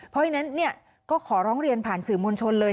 เพราะฉะนั้นก็ขอร้องเรียนผ่านสื่อมวลชนเลย